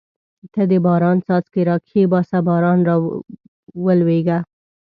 ته د باران څاڅکي را کښېباسه باران راولېږه.